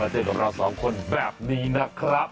เจอกับเราสองคนแบบนี้นะครับ